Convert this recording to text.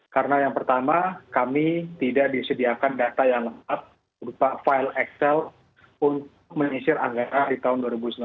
karena yang pertama kami tidak disediakan data yang lengkap berupa file excel untuk menisir anggaran di tahun dua ribu sembilan belas